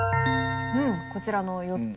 こちらの４つ。